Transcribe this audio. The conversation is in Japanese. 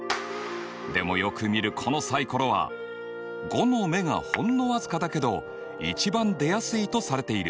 でもよく見るこのサイコロは５の目がほんの僅かだけど一番出やすいとされている。